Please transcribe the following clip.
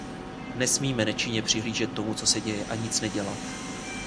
Nesmíme nečinně přihlížet tomu, co se děje, a nic neudělat.